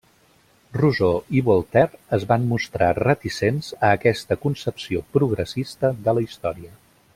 Rousseau i Voltaire es van mostrar reticents a aquesta concepció progressista de la història.